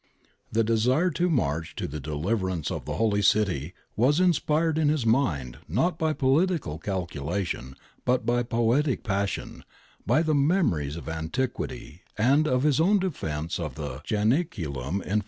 The desire to march to the deliverance of the Holy City was inspired in his mind not by political calculation but by poetic passion, by the memories of antiquity and of his own defence of the Janiculum in '49.